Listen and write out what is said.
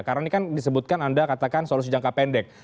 karena ini kan disebutkan anda katakan solusi jangka pendek